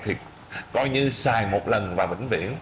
thì coi như xài một lần và bình viễn